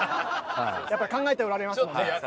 やっぱり考えておられますもんね。